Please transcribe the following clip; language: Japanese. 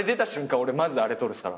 俺まずあれ取るっすから。